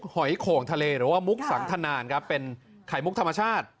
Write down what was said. หอยโข่งทะเลหรือว่ามุกสังทนานครับเป็นไข่มุกธรรมชาติ